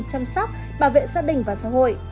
chăm sóc bảo vệ gia đình và xã hội